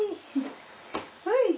・・はい！